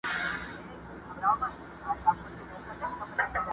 ډېر دردناک مفهوم لري